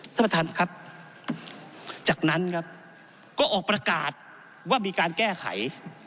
ท่านประธานครับจากนั้นครับก็ออกประกาศว่ามีการแก้ไข